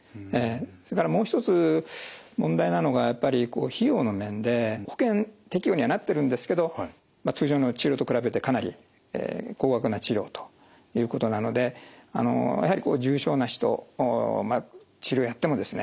それからもう一つ問題なのがやっぱり費用の面で保険適用にはなってるんですけど通常の治療と比べてかなり高額な治療ということなのでやはりこう重症な人治療やってもですね